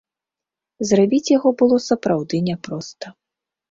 Зрабіць яго было сапраўды няпроста.